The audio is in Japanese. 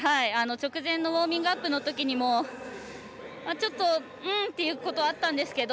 直前のウォーミングアップのときにもちょっと、うーんってことはあったんですけど。